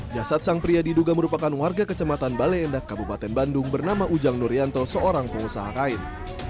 jasad sang pria diduga merupakan warga kecamatan bale endak kabupaten bandung bernama ujang nurianto seorang pengusaha kain